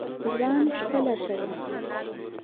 ځوان څه لارښوونه غواړي؟